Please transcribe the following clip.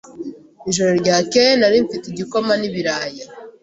Ijoro ryakeye nari mfite igikoma n'ibirayi.